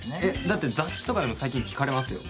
だって雑誌とかでも最近聞かれますよ。